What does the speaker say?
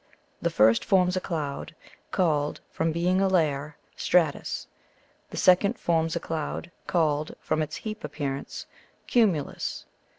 The first forms a cloud, called, from being a layer, stratus; the second forms a cloud, called, from its heap appearance, cumulus.